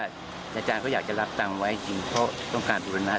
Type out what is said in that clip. อาจารย์เขาอยากจะรับตังค์ไว้จริงเพราะต้องการบุรณะ